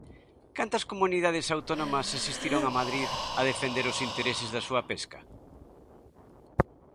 ¿Cantas comunidades autónomas asistiron a Madrid a defender os intereses da súa pesca?